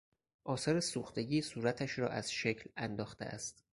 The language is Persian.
آثار سوختگی صورتش را از شکل انداخته است.